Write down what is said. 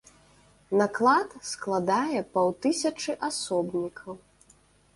Наклад складае паўтысячы асобнікаў.